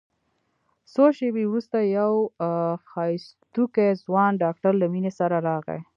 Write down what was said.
څو شېبې وروسته يو ښايستوکى ځوان ډاکتر له مينې سره راغى.